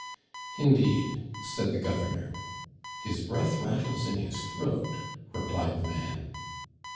"Indeed," said the Governor. "His breath rattles in his throat," replied the man.